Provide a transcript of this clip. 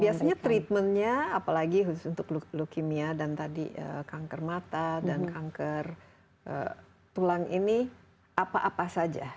biasanya treatmentnya apalagi khusus untuk leukemia dan tadi kanker mata dan kanker tulang ini apa apa saja